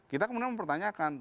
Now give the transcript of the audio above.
kita kemudian mempertanyakan